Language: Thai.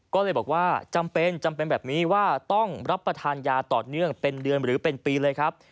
ก็เลยบอกว่าจำเป็นจำเป็นแบบนี้ว่าต้องรับประทานยาต่อเนื่องเป็นเดือนหรือเป็นปีเลยครับ